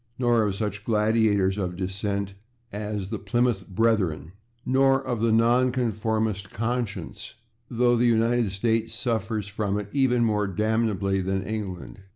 Nor of such gladiators of dissent as the /Plymouth Brethren/, nor of the /nonconformist conscience/, though the United States suffers from it even more damnably than England.